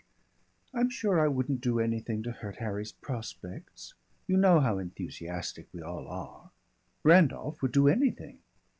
"I'm sure I wouldn't do anything to hurt Harry's prospects. You know how enthusiastic we all are. Randolph would do anything.